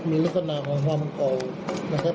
มีลักษณะของความเก่านะครับ